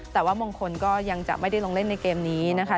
แต่ว่ามงคลก็ยังจะไม่ได้ลงเล่นในเกมนี้นะคะ